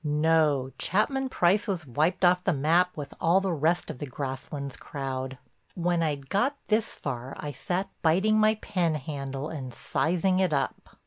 No—Chapman Price was wiped off the map with all the rest of the Grasslands crowd. When I'd got this far I sat biting my pen handle and sizing it up.